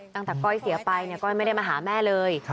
ก้อยเสียไปก้อยไม่ได้มาหาแม่เลย